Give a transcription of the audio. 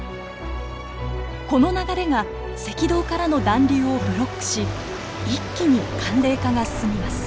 この流れが赤道からの暖流をブロックし一気に寒冷化が進みます。